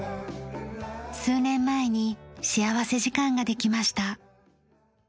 数年前に幸福時間ができました。